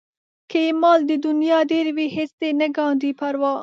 که یې مال د نيا ډېر وي هېڅ دې نه کاندي پروا